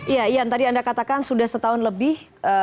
iya ian tadi anda katakan sudah setahun lebih